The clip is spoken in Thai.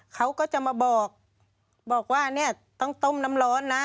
เขาก็จะมาบอกบอกว่าเนี่ยต้องต้มน้ำร้อนนะ